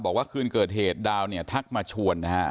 บอกว่าคืนเกิดเหตุดาวเนี่ยทักมาชวนนะฮะ